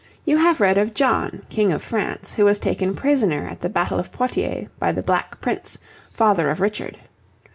You have read of John, King of France, who was taken prisoner at the Battle of Poitiers by the Black Prince, father of Richard.